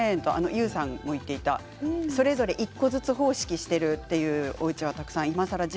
ＹＯＵさんも言っていたそれぞれ１個ずつ方式をしているというおうちがたくさんあります。